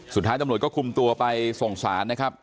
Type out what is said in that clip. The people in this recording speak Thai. สุดท้ายตำรวจก็คุมตัวไปส่งสารนะครับ